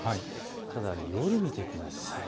ただ夜を見てください。